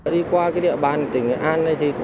đi qua địa bàn tỉnh nghệ an